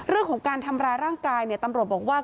เรื่องของการทำร้ายร่างกายตำรวจบอกว่า